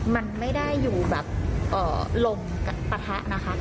มันไม่ได้อยู่แบบลมปะทะนะคะ